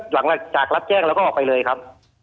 หลังจากรับแจ้งแล้วก็ออกไปเลยครับ